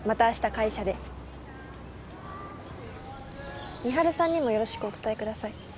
会社で美晴さんにもよろしくお伝えください